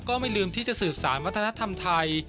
ก็ไม่ลืมที่จะสืบสารวัฒนธรรมไทย